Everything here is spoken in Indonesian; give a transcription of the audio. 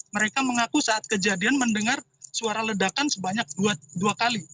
mereka mengaku saat kejadian mendengar suara ledakan sebanyak dua kali